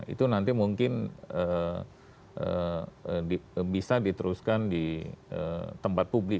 itu nanti mungkin bisa diteruskan di tempat publik